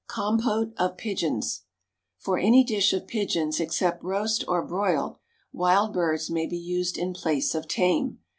Compote of Pigeons. For any dish of pigeons except roast or broiled, wild birds may be used in place of tame.